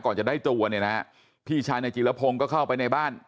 ก่อนจะได้ตัวเนี่ยนะฮะพี่ชายนายจิรพงศ์ก็เข้าไปในบ้าน